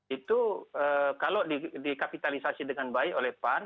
itu kalau dikapitalisasi dengan baik oleh pan